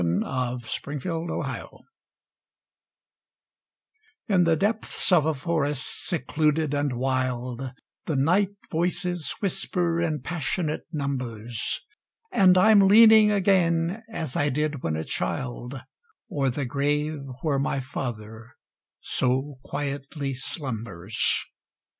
In the Depths of a Forest In the depths of a Forest secluded and wild, The night voices whisper in passionate numbers; And I'm leaning again, as I did when a child, O'er the grave where my father so quietly slumbers.